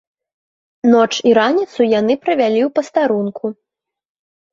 Ноч і раніцу яны правялі ў пастарунку.